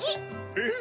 えっ？